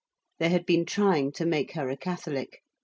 They had been trying to make her a Catholic.